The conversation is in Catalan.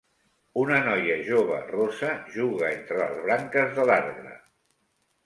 Una noia jove rossa juga entre les branques de l'arbre.